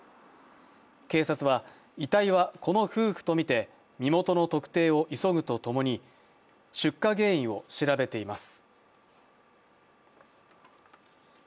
警察は遺体はこの夫婦とみて身元の特定を急ぐとともに出火原因を調べています。